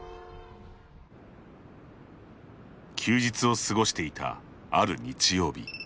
休日を過ごしていた、ある日曜日。